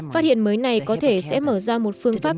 phát hiện mới này có thể sẽ mở ra một phương pháp